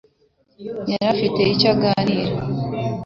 Yari afite icyo aganira